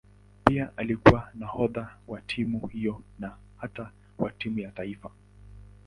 Pia alikuwa nahodha wa timu hiyo na hata wa timu ya taifa.